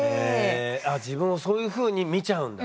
あ自分をそういうふうに見ちゃうんだ。